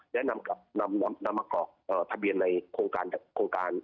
และนำมากรอกทะเบียนในโครงการ